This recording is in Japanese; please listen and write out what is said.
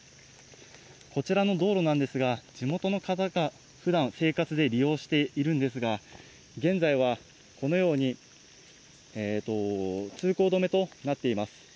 こちらの道路なんですが、地元の方がふだん生活で利用しているんですが、現在はこのように、通行止めとなっています。